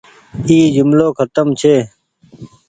اي جملو کتم ڇي۔